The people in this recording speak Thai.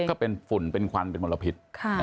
ก็เป็นฝุ่นเป็นควันเป็นมลพิษ